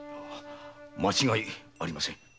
間違いありません。